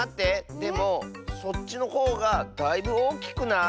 でもそっちのほうがだいぶおおきくない？